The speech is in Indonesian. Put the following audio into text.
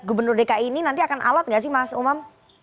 gubernur dki ini nanti akan alat nggak sih mas umam